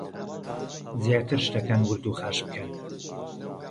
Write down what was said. زیاتر شتەکان ورد و خاش بکەن